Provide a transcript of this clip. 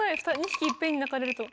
２匹いっぺんに鳴かれると。